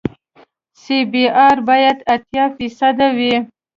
سی بي ار باید اتیا فیصده وي